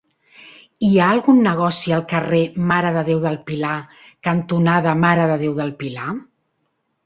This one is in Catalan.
Hi ha algun negoci al carrer Mare de Déu del Pilar cantonada Mare de Déu del Pilar?